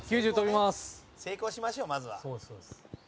山崎：成功しましょう、まずは。